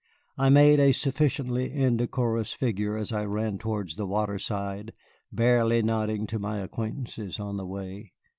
I made a sufficiently indecorous figure as I ran towards the water side, barely nodding to my acquaintances on the way.